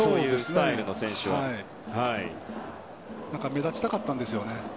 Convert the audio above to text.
目立ちたかったんですよね。